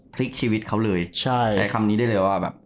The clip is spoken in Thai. พลิกชีวิตเขาเลยใช่ใช้คำนี้ได้เลยว่าแบบ